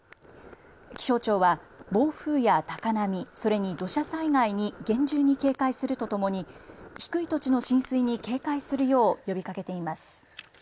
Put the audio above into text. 気象庁は暴風や高波、それに土砂災害に厳重に警戒するとともに低い土地の浸水に警戒するよう呼びかけています。